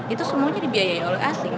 itu semuanya dibiayai oleh asing